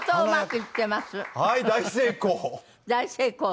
大成功。